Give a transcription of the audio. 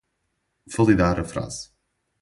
validar a frase